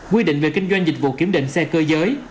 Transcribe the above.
quy định về kinh doanh dịch vụ kiểm định xe cơ giới